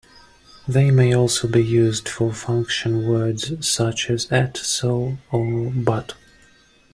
They may also be used for function words such as 'at', 'so' or 'but'.